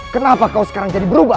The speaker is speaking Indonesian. kenapa kau sekarang jadi berubah